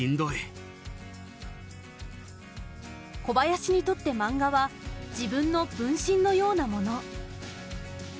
小林にとってマンガは自分の分身のようなもの。